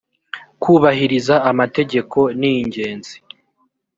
kubahiriza amategeko ningenzi